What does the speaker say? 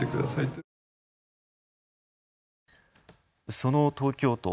その東京都。